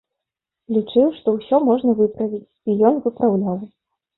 Лічыў, што ўсё можна выправіць, і ён выпраўляў.